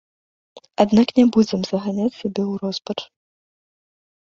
Аднак не будзем заганяць сябе ў роспач.